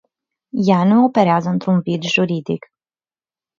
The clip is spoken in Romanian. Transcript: Ea nu operează într-un vid juridic.